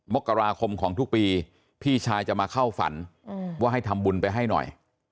มกราคมของทุกปีพี่ชายจะมาเข้าฝันว่าให้ทำบุญไปให้หน่อย